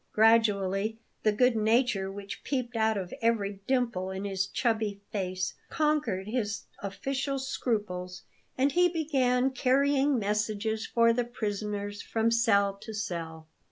Gradually the good nature which peeped out of every dimple in his chubby face conquered his official scruples, and he began carrying messages for the prisoners from cell to cell.